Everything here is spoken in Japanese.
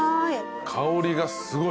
香りがすごい。